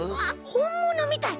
ほんものみたい。